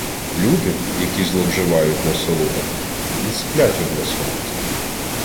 Люди, які зловживають насолодами, не сплять од насолод.